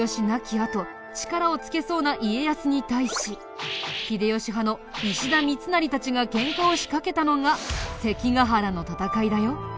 あと力をつけそうな家康に対し秀吉派の石田三成たちがケンカを仕掛けたのが関ヶ原の戦いだよ。